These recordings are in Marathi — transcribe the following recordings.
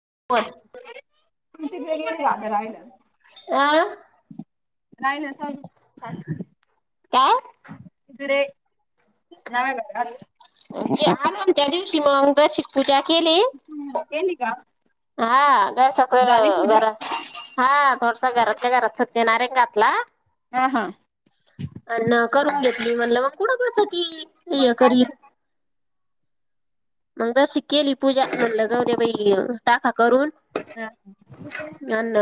[unintelligible] [unintelligible] आ नाही ना काय [unintelligible] [unintelligible] ते आलो न त्या दिवशी मंग जराशिक पूजा हम्म त्यांनी का? हां जरा सखळ झाली पूजा घरांत हां थोडसा घरातल्या घरात सत्यनारायण घातला हा हा अन करून घेतली म्हणलं मग पुढं कसं मणखा मग जशी केली पूजा म्हटलं जाऊ दे बाई टाका करून.. करायचं? अन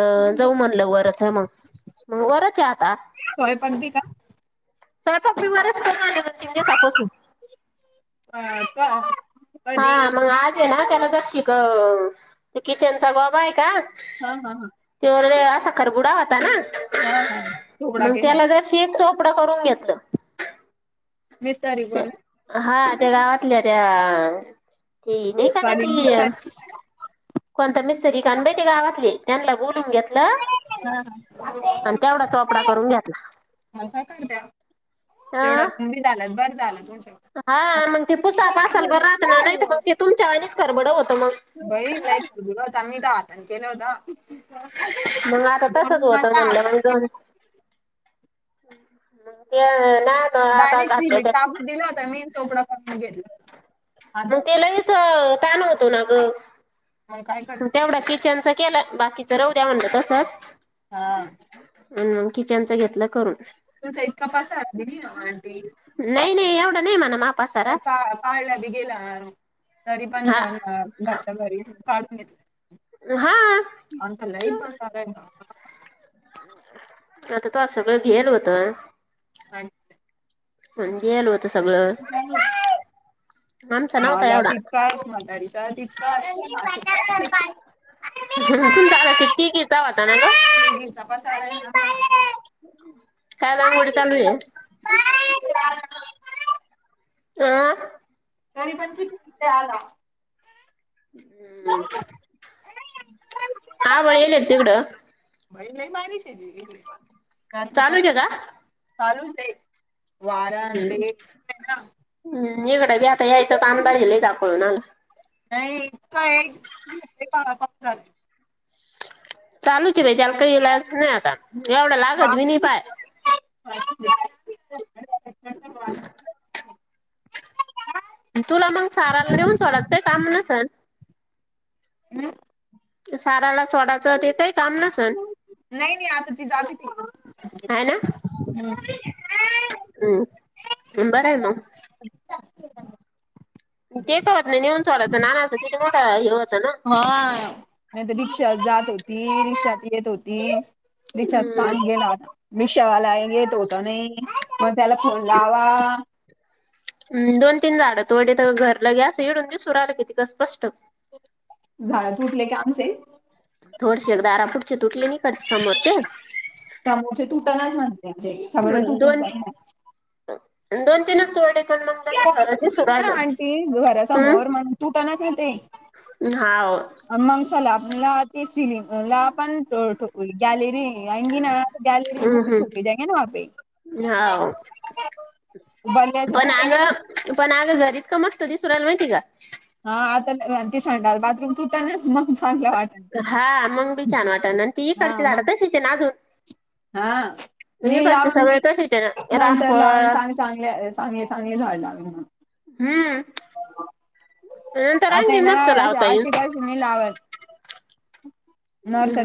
जाऊ म्हणलं वरच मग मग वरच.. आता स्वयपाक बी का? स्वयंपाक बि वरचं करून रायले का तीन दिवसांपासून? हां का? हा मगं आज य ना त्याला जर शिकव अ किचनचा बाबा हय का? हां ह हां. तो असा खरबूडा होता नां, हा हा चोपडा मंग केला त्याला जरशी एक कप पुढ करून घेतलं. मिस्तारी करू हां त्या गावातल्या त्या ते नई का ग चालेल ती मिस्तारी कोणता मिस्तरी कानबई त्या गावातली त्यांला बोलून घेतलं हा हा आणि तेवढा चोपडा करून घेतला. म काय काय करत्या हा तेवढं कमी झालंत बरं झालं हा मगं ते पुसापासला बरं राहत ना नाही मग ते तुमच्या वानीच खरबड होत बाई [unintelligible] केलं होता. मग आता तसंच म्हणून होत माझ्या म्हणलं मगं हातात ते नाही तर आता डायरेक्ट घातलं सिमीट त्या टाकूून दिलं होतं मी न चोपडं करून घेतलं. मग ते लयच तो ना ग मग काय कर तेवढा किचनचा केला बाकीच रह द्या म्हणलं तसच... हा... किचनचं घेतलं.. करून तुचा इतकापास आ.. नाही नाही एवढं.. पा पाला भी गेलं आर... तरी पण हा घरच्या घरीच... काढून घेत हा आता लई मसालाय आता तो सगळं घेल होतं... हा... म्हणजे आल होतं सगळं... आमचा नव्हता माझा एवढा तितका आहे मदारीचा तितका आहे.. जाला ति कि जावता ना ग.. चा... काय रांगोळी चालू आहे.. हा..... तरी पण किती इथे आला... हम्म.. ह वळीला येत इकडं... भई नाहीय मारीचे दि... चालूत का... चालू... हम्म हम्म निकड ब आता यायचा त अंदाजल काकळून आला.. नाही इ एक पा झाले.. चालूच भ चल कय ला नाही आता एवढा लागच मी नाही पाय.. तथदध... तुला मग साराला नेऊन थोडात का काम नसल.. हम.. साराला स्वडाच येतय काम न सण... हम... हम् बर आहे मग... तेट होत नाही नेऊन सोडाचं नानाच किती मोठा हेत हा नाही तर रिक्षा जात होती रिक्षात येत होती रिक्षास्थान हम्म गेला रिक्षावाला आहे गे तो होत नाही... मग त्याला फोन लावा... हम दोन तीन झाडं तोड तर घरलं गे असं इडून दिवस राहिलं कि तिकं स्पष्ट.. झाड तुटले का आमचे... थोडशी एक दरापुढचे तुटली तीकडते समोरचे त्यामुळेचे तुटणच म्हणते ते सगळे तुटून दोन प.. दोन तीनच तोडले. ना आंटी घरासमोर हम्म मण तुट ना ना ते.. हाव मग चला आपला ते सिली ला पण गॅलेरी... आंगी ना गॅलेरी हम्म तप ठोके हम्म जाये ना पे.. हाव बनण्याच. पण आगं पण आगं घरीत का मस्त दिसरायला माहिती का? हा आता ते संडा बाथरूम तुटा ना मग... चांगलं वाटन ते हा मग बी छान वाटत आणि ती हा इकडची मग झाडत शिचे ना अजून... हा... मी इकडचे लावून मी सगळे तशीच आहे ना नंतर लावग रामफळ चांगले चांगले चांगले झाड लावे म्हण हम्म नंतर आता आहे आणखी मस्त ना लावता येई अशी कशी नाही लावत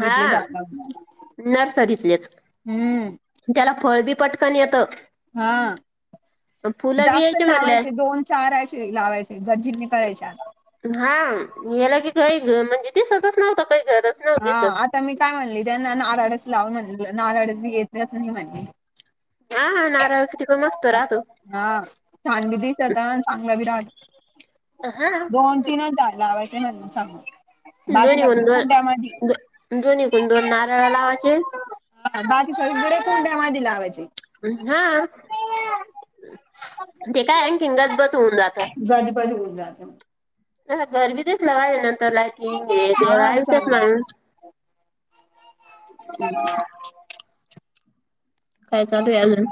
हा झाड लावून नर्सरी हम्म त्याला फळ बी पटकन येत हा जास्त म्हणल्या लावायचे दोन चार अशे लावाचे गंजिर कयचे आता हा याला की काय म्हणजे ते सतच नव्हता काही गरज नव्ह हा दिसत आता मी काय म्हणली त्यांना नारळच लावून म्हण नारळ येतच नाही म्हणणे हा हा नारळच हा छान बी दिसता आणि चांगला बी राहत हा दोन तीनच जाड लावायच न सांगू बाकी दोन्ही गुण दोन लागड्यामध्ये दो दोन्ही गुण दोन नारळ लावायचे बाकी सगळी पुुडे्या कोणत्या माधी लावायचे हा ते काय अ तिंग बाजेबाजे बोल जाात हा चालेल. [unintelligible] [unintelligible] काय चालूय अजून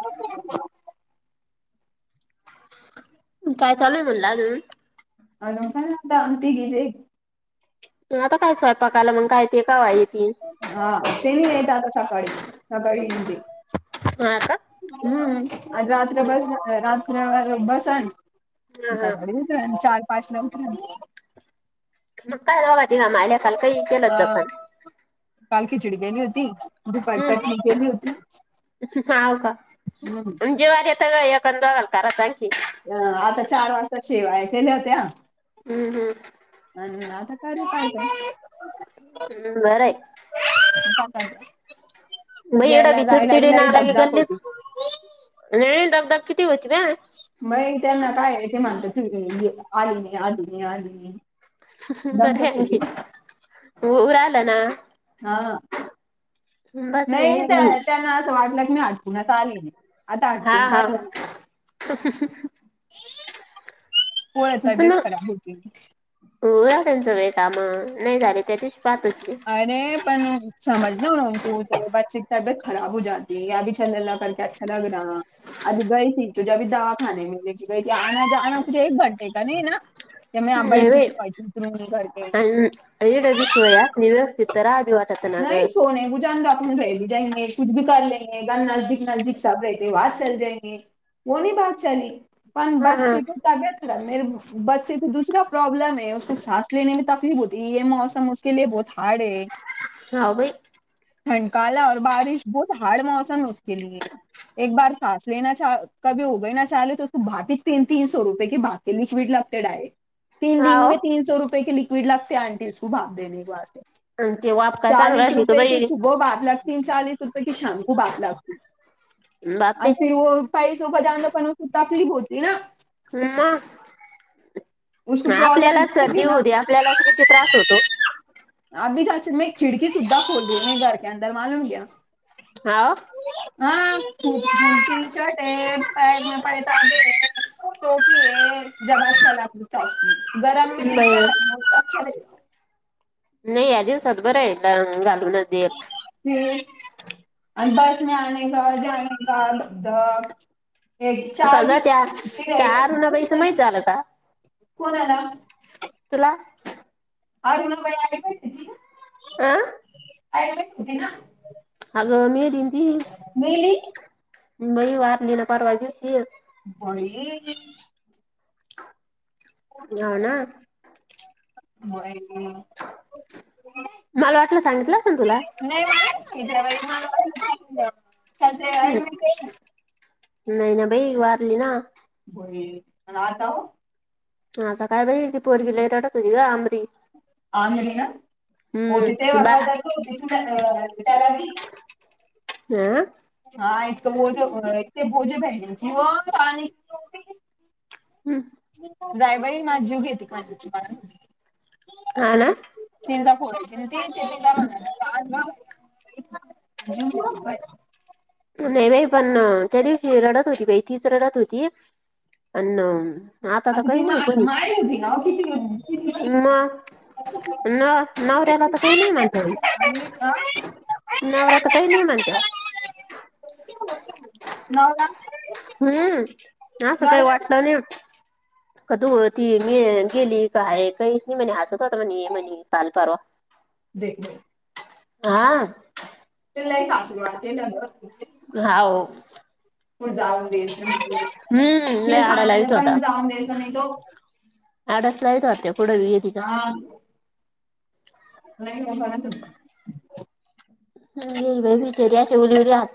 काय चालू आय मनल [unintelligible] [unintelligible] आता कायसंयपाकायला मग काय ते कावा येतील हा ते नाही येत आता [unintelligible] [unintelligible] हम्म आज रात्र [unintelligible] बस आण ह हा [unintelligible] मग काय बघ तघ माल्या कााल काही केलंत दखन हा काल खिचडी गेली होती दुपार चटणी हम्म गेली होती हम्म [unintelligible] अ आता चार वाजता शेवाया केेल्या होत्या हम्म हम् ह आता नाई ना काय काय [inaudible] [unintelligible] मई एडा [unintelligible] यायला भी जायला बी चिडचिडी ना लई लागे दगधग गल्ली होती [inaudible] दबदक किती होती ना मग त्यांना काय आहे ते, म्हणत तू आली नाही. आली नाही. आली नाही. बर दगधग होती आहे..... वर आला ना? ना हा..... नाही त्यांना असं वाटलं. कुणाचा आले? नाही आता हा अटकून हा आलं. त्याच ना? होती हो त्यांच सगळे काम नाही झाले त्या पाहत होती अरे पण.. समज वो बच्चे की तबीयत खराब हो जाती है, या अभि चलके [unintelligible] ला करक अच्छा लग रहा अभी गय थी तुझे अी दवाखाने मे लेके की, ग ती आना जाना तुझे एक घंटे का नाही ना? ते मी आंबा नाही टुणी बाई पाहायचे तरु करते. आणि इडं बी सोय असली व्यवस्थित तर राहावी वाटत ना ग नाही सोने को जाणता रहिगी ब जायंगे कुछ भी करले. नजदीक नजदीक सब रहते है वाज चल जागेचे वो नाही बात चली. पण हा हा बच्चे कि तबीयत मे बच्चे को दुसरा प्रॉब्लेम है. उसको सॉंस लेने में तकलीफ होती है. ये मौसम उसके लिए बहोत हार्ड है हाव बाई थंड का आलाव और बारिश बहुत हार्ड मौसम उसके लिए एक बार हाव [unintelligible] [unintelligible] अ ते वाप का चांगला चालीस असतो का बाई [unintelligible] बापरे [unintelligible] मम्मा उसको ह प्रॉब्लम आपल्यालाच होती सर्दी थी होऊ ना दे [unintelligible] हा [unintelligible] बाई [unintelligible] नाही या दिवसात बरं आहे है [unintelligible] [unintelligible] सगळं त्या त्या अरुणाबाईचं माहित झालं का कोणाला तुला. अरुणाबाई [unintelligible] आह आयुर्वेद होते ना. अगं मेली न ती मेली बाई हो ना [inaudible] मला वाटलं सांगितलं पण [inaudible] तुला [unintelligible] हं ऍडमिट नाही ना बाई वारली ना. होय आणि आता? हा का काय बई ती पोरगी लय रडत होती ग [unintelligible] होती ते हम्म बा हा [unintelligible] हा हा एक [unintelligible] हं जाय बाई माझ जीव घेते? क मा [inaudible] हा ना. ते ते काय म्हणा जीव घेती का बाई. नाही बाई पण त्या दिवशी रडत होती बाई तीच रडत होती अण आता ती मा माहेरी होती ना किती होती मग [unintelligible] न नवऱ्याला तर काही नाही म्हणत अ नवरात काही नाही म्हणत [unintelligible] नवरा हम्म असं काही लढला वाटलं नाही कधू ती मी गेली काय काहीच नाही म्हणे हसत होत म्हणे काल पारवा देत नाही हा ते लय सासुरवास केला ग [inaudible] कुठे जाऊन द्यायच हम्म लय आडा लावित [unintelligible] जाऊन द्यायच नाही तो आडसला जात्या कुट गेली तिथ नाही नाही परंतु [unintelligible]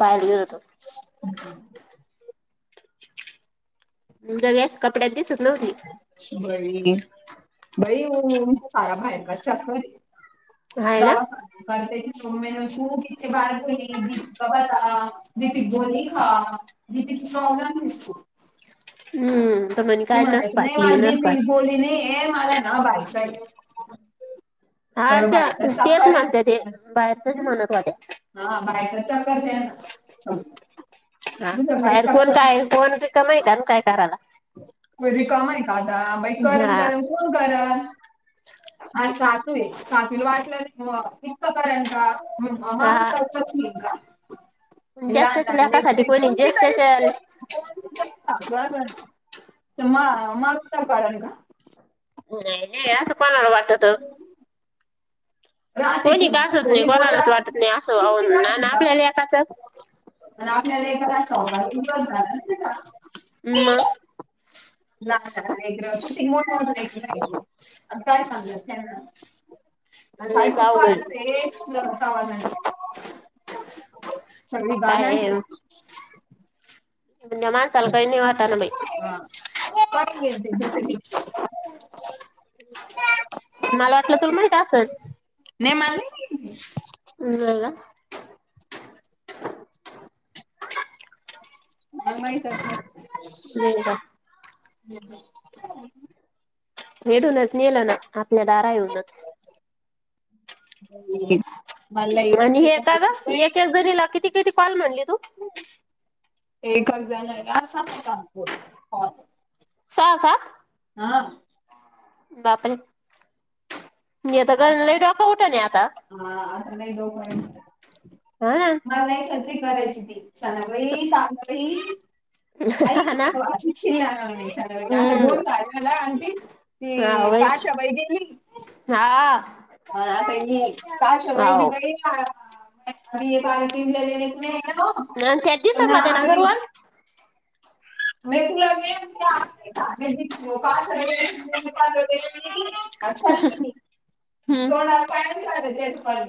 पाहिल होतो. जग कपड्यात दिसत नव्हती. [unintelligible] हाय ना [unintelligible] [unintelligible] हम्म. तर म्हणे ती काय नस म्हणायची नाही पाटली मला नस पाट दीपि बोली नाही हे मला ना भाई साहेब. [unintelligible] हा त्या बाहेर स तेच म्हणते ते बाहेरचच म्हणत होते चक करते ना. हा दुसरं काही बाहेर कोण चक्कर काय नाही. कोणिक माहित आहे काय करायला. रिकामा आहे का आता बाई करण हा करण कोण. हा सासू आहे सासूला वाटलं म इक्कं कारण का. हा [unintelligible] ज्याच लाहन त्याच्या ना लेकासाठी एक कोणी कोणती ज्याच तरी. त्याच्या म मगत्त कारण का. नाही नाही असं कोणाला वाटते. [unintelligible] आणि कोणालाच वाटत नाही असं वाहून ना आपल्या लेकाच आपल्याला एखदा सवसार उबर झाला का. मग. ला किती मोठ्या होून. लयच अवघड [unintelligible] सगळी काय गणयच. त्या माणसाला काय वाटतं ना. [unintelligible] मला वाटलं तु माहित असले नाहीे मल [unintelligible] मला माहित नाही नाही का ह नेडूनच नेलं ना आपल्या दारा येऊनच ह आणि हेखदा एक जणीला किती किती कॉल म्हनली तू एक जण स सहा कॉल हा बापर! आता हा आता नाही डोकमेंट. हा ना मला नाही खत्री करायची ती सणाही चांगही. आई हा ना आता हम्म बोलत आ मला आंटी. हम्म काशा वै गेली. हा ता काश वईी हो बई पाणी पिनलेले नाही. न तेज दिवस माझ्याना कररवा. ह म तुलागे टगेट का अच्छ हम्म थोडा कायम झाचाले तेेत प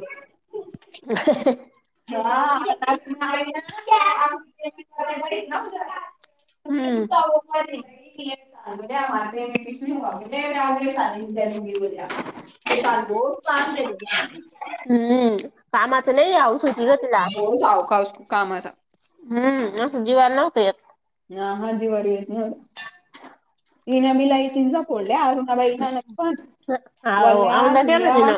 हा आता नाही ना हम्म तुम्ही कठता स ब चगते हम्म कामा अस नाही आ सुधी घच ला अवकाश कामाचा हम्म जीवान नव्हत ना हाजीवरारी येत ना हन मला ह चिंचापड बाई पण हो औंदा केला वल्या्या तिनं